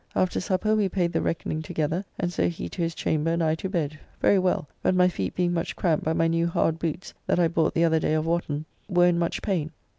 After supper we paid the reckoning together, and so he to his chamber and I to bed, very well, but my feet being much cramped by my new hard boots that I bought the other day of Wotton were in much pain.